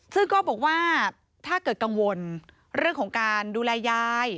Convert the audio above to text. ซึ่งก็บอกว่าถ้าเกิดกังวลเรื่องของการดูแลยาย